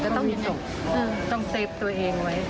ก็ต้องมีส่งต้องเตรียมตัวเองไว้